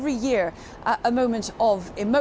ada saat saat yang menarik